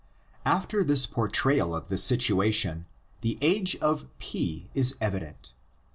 After this portrayal of the situation the age of P is evident.